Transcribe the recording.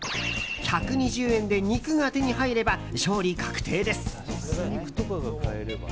１２０円で肉が手に入れば勝利確定です。